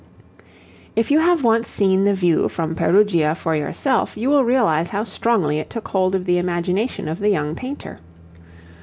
If you have once seen the view from Perugia for yourself, you will realize how strongly it took hold of the imagination of the young painter.